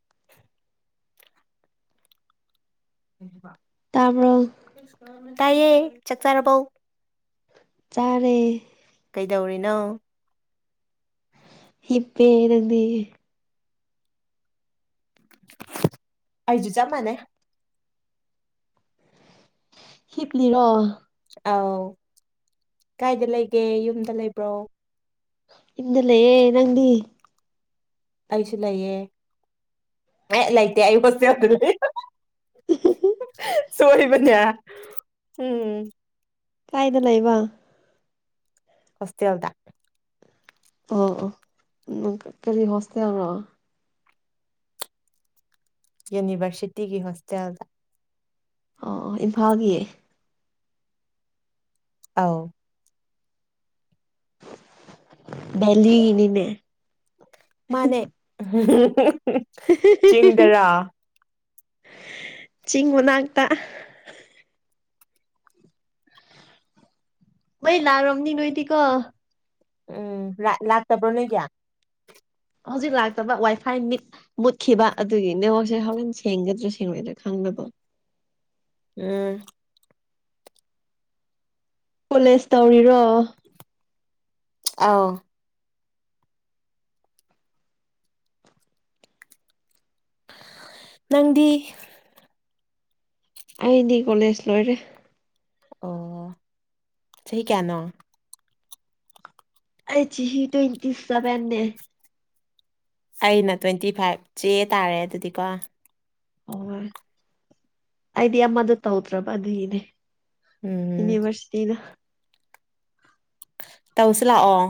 [inaudible] ꯇꯥꯕ꯭ꯔꯣ ꯇꯌꯦ ꯆꯠꯆꯥꯔꯔꯕꯧ ꯆꯔꯦ ꯅ ꯏꯄꯦꯗꯤ ꯑꯩꯁꯨ ꯆꯞ ꯃꯥꯟꯅꯩ ꯍꯤꯞꯂꯤꯔꯣ ꯑꯥꯎ ꯀꯥꯏꯗ ꯂꯩꯒꯦ ꯌꯨꯝꯗ ꯂꯩꯕ꯭ꯔꯣ ꯏ ꯂꯩꯑꯦ ꯅꯪꯗꯤ ꯑꯩꯁꯨ ꯂꯩꯌꯦ ꯑꯦ ꯂꯩꯇꯦ ꯑꯩꯁ ꯁꯣꯏꯕꯅꯌꯥ ꯎꯝ ꯀꯥꯏꯗ ꯂꯩꯕ ꯍꯁꯦ ꯑꯜꯗ ꯑꯣ ꯅ ꯀꯔꯤ ꯍꯣꯁꯇꯦꯜꯔꯣ ꯌꯨꯅꯤꯚꯔꯁꯤꯇꯤꯒꯤ ꯍꯣꯁꯇꯦꯜꯗ ꯑ ꯏꯝꯐꯥꯜꯒꯤꯌꯦ ꯑꯥꯎ ꯗꯦꯜꯂꯤ ꯏꯅꯤꯅꯦ ꯃꯥꯅꯦ ꯆꯤꯡꯗꯔꯥ ꯆꯤꯡ ꯃꯅꯥꯛꯇ ꯃꯩ ꯂꯥꯔꯝꯅꯤ ꯅꯣꯏꯗꯤꯀꯣ ꯎꯝ ꯂꯥꯠ ꯂꯥꯛꯇꯕ꯭ꯔꯣ ꯅꯣꯏꯒꯤ ꯍꯧꯖꯤꯛ ꯂꯥꯛꯇꯕ ꯋꯥꯏꯐꯥꯏ ꯃꯤꯠ ꯃꯨꯠꯈꯤꯕ ꯑꯗꯨꯒꯤ ꯅꯤ ꯃꯣꯏꯁꯦ ꯍꯣꯔꯦꯟ ꯁꯦꯡꯒꯗ꯭ꯔꯥ ꯁꯦꯡꯉꯣꯏꯗ꯭ꯔꯥ ꯈꯪꯗꯦ ꯅꯒꯣ ꯎꯝ ꯀꯣꯂꯦꯖ ꯇꯧꯔꯤꯔꯣ ꯑꯧ ꯅꯪꯗꯤ ꯑꯩꯗꯤ ꯀꯣꯂꯦꯖ ꯂꯣꯏꯔꯦ ꯑꯣ ꯆꯍꯤ ꯀꯌꯥꯅꯣ ꯑꯩ ꯆꯤꯍꯤ ꯇ꯭ꯋꯦꯟꯇꯤ ꯁꯕꯦꯟꯅꯦ ꯑꯩꯅ ꯇ꯭ꯋꯦꯟꯇꯤ ꯐꯥꯏꯐ ꯆꯦ ꯇꯥꯔꯦ ꯑꯗꯨꯗꯤꯀꯣ ꯍꯣꯏ ꯑꯩꯗꯤ ꯑꯃꯗꯣ ꯇꯧꯗ꯭ꯔꯕ ꯑꯗꯨꯒꯤꯅꯦ ꯎꯝ ꯌꯨꯅꯤꯚꯔꯁꯤꯇꯤꯗꯣ ꯇꯧꯁꯤ ꯂꯥꯛꯑꯣ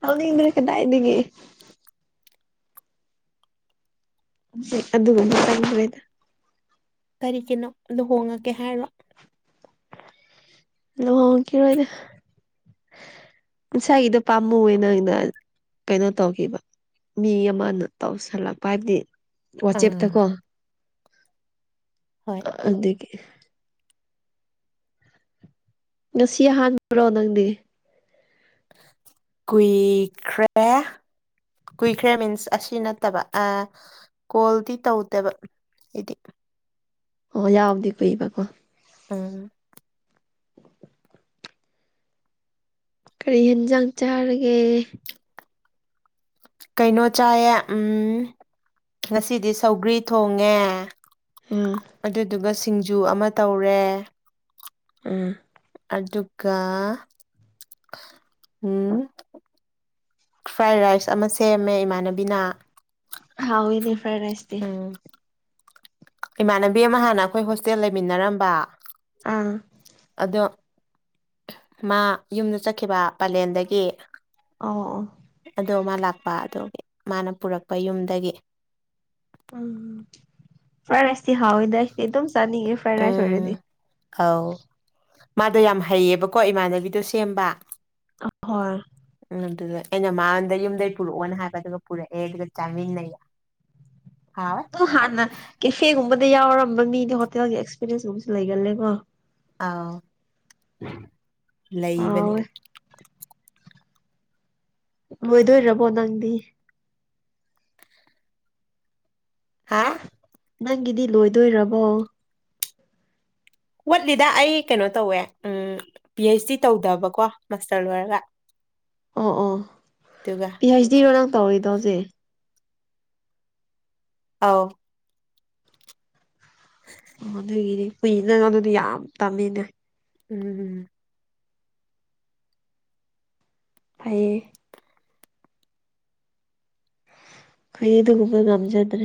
ꯇꯧꯅꯤꯡꯗ꯭ꯔꯦ ꯀꯗꯥꯏꯗꯒꯤ ꯍꯧꯖꯤꯛ ꯑꯗꯨꯒ ꯑꯃ ꯆꯪꯗ꯭ꯔꯦꯗꯥ ꯀꯔꯤꯒꯤꯅꯣ ꯂꯨꯍꯣꯡꯉꯒꯦ ꯍꯥꯏꯔꯣ ꯂꯨꯍꯣꯡꯈꯤꯔꯣꯏꯗ [inaudible] ꯏꯁꯥꯒꯤꯗꯣ ꯄꯥꯝꯃꯨꯋꯦ ꯅꯣꯏꯅ ꯀꯩꯅꯣ ꯇꯧꯈꯤꯕ ꯃꯤ ꯑꯃꯅ ꯇꯧꯁꯜꯂꯛꯄ ꯍꯥꯏꯕꯗꯤ ꯋꯥꯆꯦꯞꯇ ꯑꯥ ꯀꯣ ꯍꯣꯏ ꯑꯗꯨꯒꯤ ꯉꯁꯤ ꯑꯍꯥꯟꯕꯔꯣ ꯅꯪꯗꯤ ꯀꯨꯏꯈ꯭ꯔꯦ ꯀꯨꯏꯈ꯭ꯔꯦ ꯃꯤꯟꯁ ꯑꯁꯤ ꯅꯠꯇꯕ ꯑ ꯀꯣꯜꯗꯤ ꯇꯧꯗꯦꯕ ꯑꯩꯗꯤ ꯑꯣ ꯌꯥꯎꯕꯗꯤ ꯀꯨꯏꯕ ꯀꯣ ꯎꯝ ꯀꯔꯤ ꯍꯦꯟꯖꯥꯡ ꯆꯥꯔꯒꯦ ꯀꯩꯅꯣ ꯆꯥꯏꯌꯦ ꯎꯝ ꯉꯁꯤꯗꯤ ꯁꯧꯒ꯭ꯔꯤ ꯊꯣꯡꯉꯦ ꯎꯝ ꯑꯗꯨꯗꯨꯒ ꯁꯤꯡꯖꯨ ꯑꯃ ꯇꯧꯔꯦ ꯎꯝ ꯑꯗꯨꯛꯀ ꯎꯝ ꯐ꯭ꯔꯥꯏ ꯔꯥꯏꯁ ꯑꯃ ꯁꯦꯝꯃꯦ ꯏꯃꯥꯟꯅꯕꯤꯅ ꯍꯥꯎꯏꯅꯦ ꯐ꯭ꯔꯥꯏ ꯔꯥꯖꯁꯇꯤ ꯎꯝ ꯏꯃꯥꯟꯅꯕꯤ ꯑꯃ ꯍꯥꯟꯅ ꯑꯩꯈꯣꯏ ꯍꯣꯁꯇꯦꯜ ꯂꯩꯃꯤꯟꯅꯔꯝꯕ ꯑꯥ ꯑꯗꯣ ꯃꯥ ꯌꯨꯝꯗ ꯆꯠꯈꯤꯕ ꯄꯂꯦꯟꯗꯒꯤ ꯑꯧꯑꯣ ꯑꯗꯣ ꯃꯥ ꯂꯥꯛꯄ ꯑꯗꯨꯒꯤ ꯃꯥꯅ ꯄꯨꯔꯛꯄ ꯌꯨꯝꯗꯒꯤ ꯎꯝ ꯐ꯭ꯔꯥꯏ ꯔꯥꯏꯁꯇꯤ ꯍꯥꯎꯋꯦꯗ ꯑꯩꯗꯤ ꯑꯗꯨꯝ ꯆꯥꯅꯤꯡꯉꯦ ꯐ꯭ꯔꯥꯏ ꯔꯥꯏꯁ ꯎꯝ ꯑꯣꯏꯔꯗꯤ ꯑꯧ ꯃꯥꯗꯣ ꯌꯥꯝ ꯍꯩꯌꯦꯕꯀꯣ ꯏꯃꯥꯟꯅꯕꯤꯗꯣ ꯁꯦꯝꯕ ꯑꯍꯣꯏ ꯎꯝ ꯑꯗꯨꯗ ꯑꯩꯅ ꯃꯉꯣꯟꯗ ꯌꯨꯝꯗꯩ ꯄꯨꯔꯛꯑꯣꯅ ꯍꯥꯏꯕ ꯑꯗꯨꯒ ꯄꯨꯔꯛꯑꯦ ꯑꯗꯨꯒ ꯆꯥꯃꯤꯟꯅꯩꯌꯦ ꯑꯗꯨ ꯍꯥꯟꯅ ꯀꯦꯐꯦꯒꯨꯝꯕꯗ ꯌꯥꯎꯔꯝꯕ ꯃꯤꯗꯨ ꯍꯣꯇꯦꯜꯒꯤ ꯑꯦꯛꯁꯄꯤꯔꯤꯌꯦꯟꯁꯀꯨꯝꯕꯁꯨ ꯂꯩꯒꯜꯂꯦꯀꯣ ꯑꯥꯎ ꯂꯩꯕꯅꯦ ꯍꯥꯎꯋꯦ ꯂꯣꯏꯗꯣꯔꯕꯣ ꯅꯪꯗꯤ ꯍꯥ ꯅꯪꯒꯤꯗꯤ ꯂꯣꯏꯗꯣꯏꯔꯕꯣ ꯎꯠꯂꯤꯗ ꯑꯩ ꯀꯩꯅꯣ ꯇꯧꯋꯦ ꯎꯝ ꯄꯤ ꯑꯩꯩꯆ ꯗꯤ ꯇꯧꯗꯕꯀꯣ ꯃꯥꯁꯇꯔ ꯂꯣꯏꯔꯒ ꯑꯣ ꯑꯣ ꯑꯗꯨꯒ ꯄꯤ ꯍꯩꯆ ꯗꯤꯔꯣ ꯅꯪ ꯇꯧꯏꯗꯣꯁꯦ ꯑꯥꯎ ꯑꯗꯨꯒꯤꯗꯤ ꯀꯨꯏꯅꯪ ꯑꯗꯨꯗꯤ ꯌꯥꯝ ꯇꯝꯃꯤꯅꯦ ꯎꯝ ꯐꯌꯦ ꯀꯩ ꯑꯗꯨꯒꯨꯝꯕ ꯉꯝꯖꯗ꯭ꯔꯦ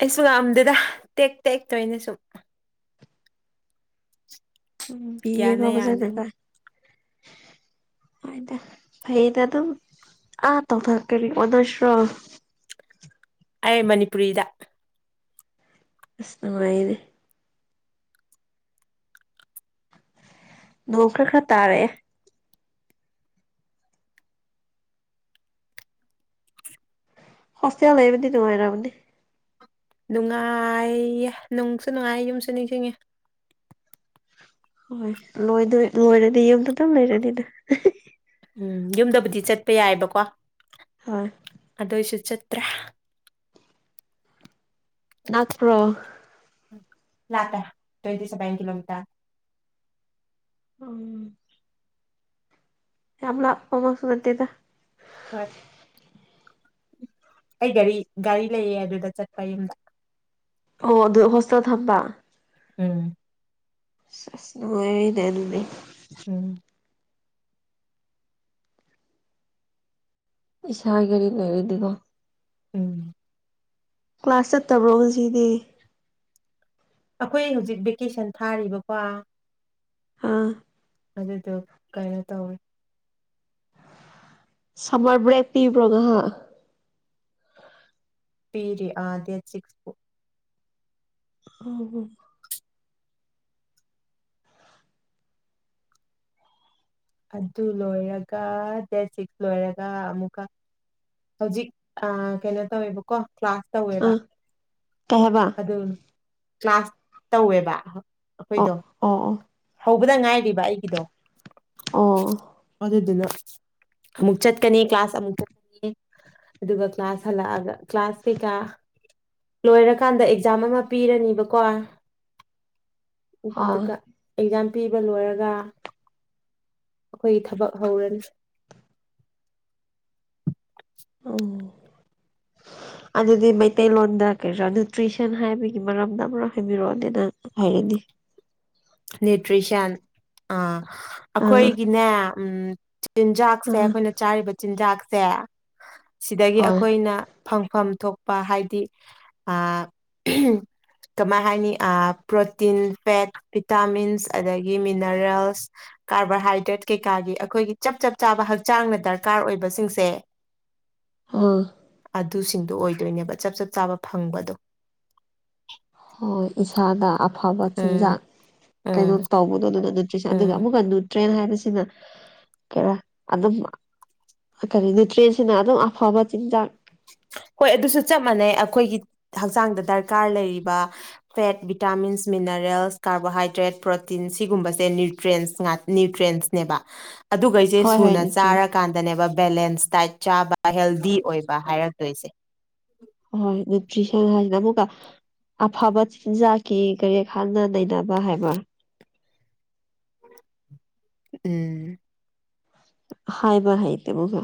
ꯑꯩꯁꯨ ꯉꯝꯗꯗ ꯇꯦꯛ ꯇꯦꯛꯇꯣꯏꯅꯦ ꯁꯨꯝ ꯎ ꯑ ꯄꯕꯖꯅ ꯀꯥꯏ ꯆꯥꯛ ꯍꯗ ꯐꯩꯗ ꯑꯗꯨ ꯑꯥ ꯇ ꯊ ꯀꯔꯤ ꯑꯣꯗꯁ꯭ꯔ ꯑꯩ ꯃꯅꯤꯄꯨꯔꯤꯗ ꯑꯁꯅꯉꯥꯏꯗꯤ ꯣꯡꯈꯥ ꯈ ꯇꯥꯔꯦ ꯁꯁꯌꯥ ꯂꯩꯦ ꯄꯗꯤ ꯅꯅꯨꯡꯉꯥꯏꯔꯃꯗꯤ ꯅꯨꯡꯉꯥꯏꯌꯦ ꯅꯨꯡꯁꯨ ꯅꯨꯡꯉꯥꯏꯌꯦ ꯌꯨꯝꯁꯨ ꯅꯤꯡꯁꯤꯡꯉꯦ ꯍꯣꯏ ꯂꯣꯏꯣꯏ ꯂꯣꯏꯔꯗꯤ ꯌꯨꯝꯗ ꯑꯗꯨ ꯂꯩꯔꯅꯤꯗ ꯎꯝ ꯌꯨꯝꯗꯕꯨꯗꯤ ꯆꯠꯄ ꯌꯥꯏꯑꯕꯀꯣ ꯍꯣꯏ ꯑꯗꯨꯏꯁꯨ ꯆꯠꯇ꯭ꯔꯦ ꯥꯛꯄ꯭ꯔꯣ ꯂꯥꯛꯇ ꯇ꯭ꯋꯦꯟꯇꯁꯦ ꯄꯥꯏꯟ ꯀꯤꯂꯣꯃꯤꯇꯔ ꯎꯝ ꯌꯥꯝ ꯑꯄ ꯃꯁꯨ ꯅꯠꯇꯦꯗ ꯍꯣꯏ ꯑꯩ ꯒꯥꯔꯤ ꯒꯥꯔꯤ ꯂꯩꯌꯦ ꯑꯗꯨꯗ ꯆꯠꯄ ꯌꯨꯝꯗ ꯑꯣ ꯑꯗꯨ ꯍꯣꯁꯇꯦꯜ ꯊꯝꯕ ꯎꯝ ꯆꯁꯅꯅꯨꯡꯉꯅꯦꯅꯅꯦꯅꯤ ꯎꯝ ꯏꯁꯥ ꯀꯔꯤ ꯂꯩꯔꯤꯗꯤꯀꯣ ꯎꯝ ꯀ꯭ꯂꯥꯁ ꯆꯠꯇꯕ꯭ꯔꯣ ꯍꯧꯖꯤꯗꯤ ꯑꯩꯈꯣꯏ ꯍꯧꯖꯤꯛ ꯚꯦꯀꯦꯁꯟ ꯊꯥꯔꯤꯕꯀꯣ ꯑꯥ ꯑꯗꯨꯗꯗ ꯀꯥꯏꯅ ꯇꯧ ꯑꯣꯏꯣꯏ ꯁꯃꯔ ꯭ꯔꯦꯛ ꯄꯤꯕ꯭ꯔꯣꯉ ꯄꯤꯔꯤ ꯑꯗ ꯁꯤꯛꯁꯄꯨ ꯑ ꯍ ꯑꯗꯨ ꯂꯣꯏꯔꯒ ꯗꯦꯠ ꯁꯤꯛꯁ ꯂꯣꯏꯔꯒ ꯑꯃꯨꯛꯀ ꯍꯧꯖꯤꯛ ꯀꯩꯅꯣ ꯇꯧꯋꯦꯕꯀꯣ ꯀ꯭ꯂꯥꯁ ꯇꯧꯋꯦꯕ ꯑꯥ ꯀꯩ ꯍꯥꯏꯕ ꯑꯗꯨ ꯀ꯭ꯂꯥꯁ ꯇꯧꯋꯦꯕ ꯑ ꯑꯩꯈꯣꯏꯗꯣ ꯑꯣ ꯑꯣ ꯍꯧꯕꯗ ꯉꯥꯏꯔꯤꯕ ꯑꯩꯒꯤꯗꯣ ꯑꯣ ꯑꯗꯨꯗꯨꯅ ꯑꯃꯨꯛ ꯆꯠꯀꯅꯤ ꯀ꯭ꯂꯥꯁ ꯑꯃꯨꯛ ꯆꯠꯀꯅꯤ ꯑꯗꯨꯒ ꯀ꯭ꯂꯥꯁ ꯍꯜꯂꯛꯑꯒ ꯀ꯭ꯂꯥꯁ ꯀꯩꯀꯥ ꯂꯣꯏꯔꯀꯥꯟꯗ ꯑꯦꯛꯖꯥꯝ ꯑꯃ ꯄꯤꯔꯅꯤꯕꯀꯣ ꯑꯥ ꯎꯗꯨꯀ ꯑꯦꯛꯖꯥꯝ ꯄꯤꯕ ꯂꯣꯏꯔꯒ ꯑꯩꯈꯣꯏꯒꯤ ꯊꯕꯛ ꯍꯧꯔꯅꯤ [unintelligible] ꯑꯣ [unintelligible] ꯑꯗꯨꯗꯤ ꯃꯩꯇꯩꯂꯣꯟꯗ ꯀꯔꯤꯔꯥ ꯅ꯭ꯌꯨꯇ꯭ꯔꯤꯁꯟ ꯍꯥꯏꯕꯒꯤ ꯃꯔꯝꯗ ꯑꯃꯛ ꯍꯥꯏꯕꯤꯔꯛꯑꯣꯅꯦ ꯅꯪ ꯍꯥꯏꯔꯅꯤ ꯅ꯭ꯌꯨꯇ꯭ꯔꯤꯁꯟ ꯑ ꯑꯥ ꯑꯩꯈꯣꯏꯒꯤꯅꯦ ꯎ ꯆꯤꯟꯖꯥꯛꯁꯦ ꯑꯥ ꯑꯩꯈꯣꯏꯅ ꯆꯥꯔꯤꯕ ꯆꯤꯟꯖꯥꯛꯁꯦ ꯁꯤꯗꯒꯤ ꯍꯣꯏ ꯑꯩꯈꯣꯏꯅ ꯐꯪꯐꯝ ꯊꯣꯛꯄ ꯍꯥꯏꯗꯤ ꯀꯃꯥꯏ ꯍꯥꯏꯅꯤ ꯑ ꯄ꯭ꯔꯣꯇꯤꯟ ꯐꯦꯠ ꯚꯤꯇꯥꯃꯤꯟꯁ ꯑꯗꯒꯤ ꯃꯤꯅꯔꯦꯜꯁ ꯀꯥꯔꯕꯣꯍꯥꯏꯗ꯭ꯔꯦꯠ ꯀꯩꯀꯥꯒꯤ ꯑꯩꯈꯣꯏꯒꯤ ꯆꯞ ꯆꯞ ꯆꯥꯕ ꯍꯛꯆꯥꯡꯅ ꯗꯔꯀꯥꯔ ꯑꯣꯏꯕꯁꯤꯡꯁꯦ ꯑꯥ ꯑꯗꯨꯁꯤꯡꯗꯨꯣ ꯑꯣꯏꯗꯣꯏꯅꯦꯕ ꯆꯞ ꯆꯞ ꯆꯥꯕ ꯐꯪꯕꯗꯣ ꯍꯣꯏ ꯏꯁꯥꯗ ꯑꯐꯕ ꯎꯝ ꯆꯤꯟꯖꯥꯛ ꯀꯩꯅꯣ ꯎꯝ ꯇꯧꯕꯗꯣ ꯑꯗꯨꯅ ꯑꯗꯨꯒ ꯎꯝ ꯑꯃꯨꯛꯀ ꯅꯇ꯭ꯔꯦꯟ ꯍꯥꯏꯕꯁꯤꯅ ꯀꯩꯔ ꯑꯗꯨꯝ ꯀꯔꯤ ꯅ꯭ꯌꯨꯇ꯭ꯔꯦꯟꯁꯤꯅ ꯑꯗꯨꯝ ꯑꯐꯕ ꯆꯤꯟꯖꯥꯛ [unintelligible] ꯍꯣꯏ ꯑꯗꯨꯁꯨ ꯆꯞ ꯃꯥꯟꯅꯩ ꯑꯩꯈꯣꯏꯒꯤ ꯍꯛꯆꯥꯡꯗ ꯗꯔꯀꯥꯔ ꯂꯩꯔꯤꯕ fat vitamins mineral ꯦꯜꯁ carbohydrate protein ꯁꯤꯒꯨꯝꯕꯁꯦꯇ꯭ꯔ ꯅ꯭ꯌꯨꯇ꯭ꯔꯦꯟꯁꯅꯦꯕ ꯑꯗꯨꯒ ꯑꯩꯁꯦ ꯍꯣꯏ ꯍꯣꯏ ꯁꯨꯅ ꯅ꯭ꯌꯨꯇ꯭ꯔꯦꯟꯁ ꯆꯥꯔꯀꯥꯟꯗꯅꯦꯕ ꯕꯦꯂꯦꯟꯁ ꯗꯥꯏꯠ ꯆꯥꯕ ꯍꯦꯜꯗꯤ ꯑꯣꯏꯕ ꯍꯥꯏꯔꯒ ꯣꯏꯁꯦ ꯇ꯭ꯔꯤꯁ ꯍꯥꯏꯁꯤ ꯅꯃꯨ ꯀ ꯑꯐꯕ ꯆꯤꯟꯖꯥꯛꯀꯤ ꯀꯔꯤ ꯍꯥꯟꯅ ꯅꯩꯅꯕ ꯍꯥꯏꯕ ꯎꯝ ꯍꯥꯏꯕ ꯍꯥꯏꯗꯕꯨꯒ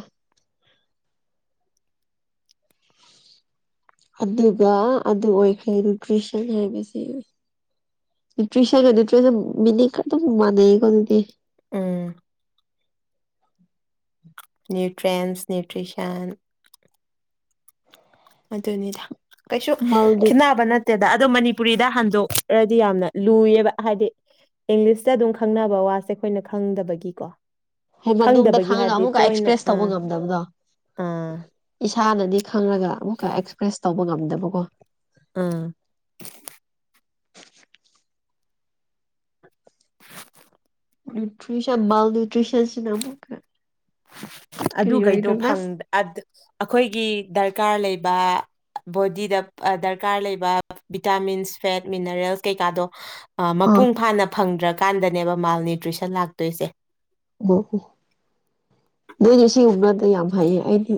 ꯑꯗꯨꯒ ꯑꯗꯨ ꯑꯣꯏꯈ꯭ꯔꯦ ꯅꯇ꯭ꯔꯤꯁꯟ ꯍꯥꯏꯕꯕꯁꯤ ꯅ꯭ꯌꯨꯇ꯭ꯔꯤꯁꯟ ꯅ꯭ꯌꯨꯇ꯭ꯔꯤꯁꯟ ꯃꯤꯅꯤꯀ ꯑꯗꯨꯝ ꯃꯅꯦꯩꯀꯣ ꯑꯗꯨꯗꯤ ꯎꯝ ꯅ꯭ꯌꯨꯇ꯭ꯔꯦꯟꯁ ꯅ꯭ꯌꯨꯇ꯭ꯔꯤꯁꯟ ꯑꯗꯨꯅꯤꯗ ꯀꯩꯁꯨ ꯃꯜꯗꯤ ꯈꯦꯅꯕ ꯅꯠꯇꯦ ꯦꯗ ꯑꯗꯣ ꯃꯅꯤꯄꯨꯔꯤꯗ ꯍꯟꯗꯣꯛꯔꯗꯤ ꯌꯥꯝꯅ ꯂꯨꯏꯌꯦꯕ ꯍꯥꯏꯗꯤ ꯏꯪꯂꯤꯁꯇ ꯑꯗꯨꯝ ꯈꯪꯅꯕ ꯋꯥꯁꯦ ꯑꯩꯈꯣꯏꯅ ꯈꯪꯗꯕꯒꯤꯀꯣ ꯍ ꯃꯇꯨꯡꯗ ꯈꯪꯗꯕꯒꯤ ꯈꯪꯉꯒ ꯍꯥꯏꯕꯗꯤ ꯑꯃꯨꯛꯀ ꯇꯣꯏꯅ ꯑꯦꯛꯁꯄ꯭ꯔꯦꯁ ꯇꯧꯕ ꯑꯥ ꯉꯝꯗꯕꯗꯣ ꯑꯥ ꯏꯁꯥꯅꯗꯤ ꯈꯪꯪꯂꯒ ꯑꯃꯨꯛꯀ ꯑꯦꯛꯁꯄ꯭ꯔꯦꯁ ꯇꯧꯕ ꯉꯝꯗꯕꯀꯣ ꯑꯥ ꯅꯨꯇ꯭ꯁꯟ ꯜ ꯅꯤꯡꯎꯇ꯭ꯁꯟꯁꯤꯅ ꯑꯃꯛ ꯀ ꯑꯗꯨꯈꯩꯗꯣ ꯑꯩꯈꯣꯏꯒꯤ ꯗꯔꯀꯥꯔ ꯂꯩꯕ ꯕꯣꯗꯤꯗ ꯗꯔꯀꯥꯔ ꯂꯩꯕ ꯚꯤꯇꯥꯃꯤꯟꯁ ꯐꯦꯠ ꯃꯤꯅꯔꯦꯜꯁ ꯀꯩꯀꯥꯗꯣ ꯑꯥ ꯃꯄꯨꯡ ꯐꯥꯅ ꯐꯪꯗ꯭ꯔꯀꯥꯟꯗꯅꯦꯕ ꯃꯥꯜꯅ꯭ꯌꯨꯇ꯭ꯔꯤꯁꯟ ꯂꯥꯛꯇꯣꯏꯁꯦ ꯑꯣ ꯍꯣ ꯅꯣꯏꯗꯤ ꯁꯤ ꯎꯕꯗ ꯌꯥꯝ ꯐꯩꯌꯦ ꯑꯩ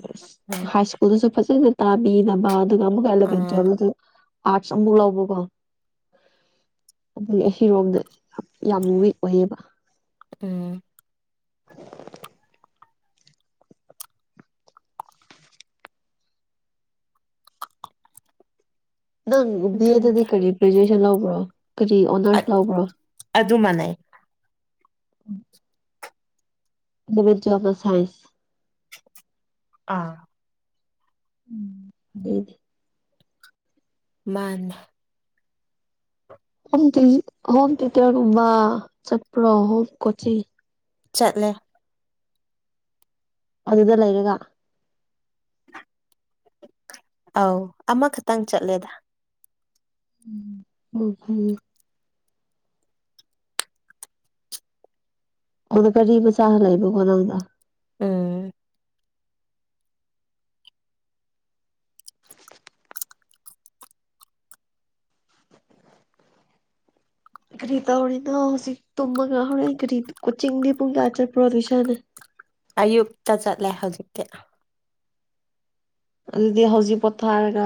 ꯍꯥꯏ ꯁ꯭ꯀꯨꯜꯗꯁꯨ ꯐꯖꯅ ꯇꯥꯕꯤꯅꯕ ꯑꯗꯨꯒ ꯑꯃꯨꯛꯀ ꯑꯦꯂꯚꯦꯟ ꯑꯥ ꯇꯨꯋꯦꯜꯇꯁꯨ ꯑꯥꯠꯁ ꯑꯃꯃꯨꯛ ꯂꯧꯕ ꯀꯣ ꯑꯗꯨꯗꯤ ꯑꯁꯤꯔꯣꯝꯗ ꯌꯥꯝ ꯌꯥꯝ ꯋꯤꯛ ꯑꯣꯏꯌꯦꯕ ꯎꯝ ꯅꯪ ꯕꯤ ꯑꯦꯗꯗꯤ ꯑꯗꯨꯅꯤꯗ ꯀꯔꯤ ꯒ꯭ꯔꯦꯖꯨꯑꯦꯁꯟ ꯂꯧꯕ꯭ꯔꯣ ꯀꯔꯤ ꯑꯣꯅꯔꯁ ꯂꯧꯕ꯭ꯔꯣ ꯑꯗꯨ ꯑꯗꯨ ꯃꯅꯦ ꯎ ꯏꯟꯚꯐ ꯁꯥꯏꯟꯁ ꯑꯥ ꯎꯝ ꯍꯗꯤ ꯃꯥꯥꯟ ꯍꯝ ꯍꯣꯝ ꯇꯇꯔꯒ ꯆꯠꯄ꯭ꯔꯣ ꯍꯣꯝ ꯀꯣꯆꯤꯡ ꯆꯠꯂꯦ ꯑꯗꯨꯗ ꯂꯩꯔꯒ ꯑ ꯑꯃꯈꯛꯇꯪ ꯆꯠꯂꯦꯗ ꯎꯝ ꯑꯣ ꯐ ꯑꯣꯅ ꯐꯔꯤꯕꯨ ꯆꯥꯍ ꯂꯩꯕ ꯀꯣꯅꯧꯗ ꯎꯝ ꯀꯒ꯭ꯔꯤꯇꯥ ꯍꯣꯔꯅ ꯍꯧꯖꯤꯛ ꯇꯨꯝꯃꯒ ꯍꯔꯦꯔꯤ ꯀꯣꯆꯤꯡꯗꯤ ꯄꯨꯡ ꯀꯌꯥ ꯆꯠꯄ꯭ꯔꯣ ꯑꯗꯨꯁꯅꯦ ꯑꯌꯨꯛꯇ ꯆꯠꯂꯦ ꯍꯧꯖꯤꯛꯇꯤ ꯑꯗꯨꯗꯤ ꯍꯖꯤ ꯄꯊꯔꯒ